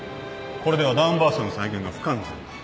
これではダウンバーストの再現が不完全だ。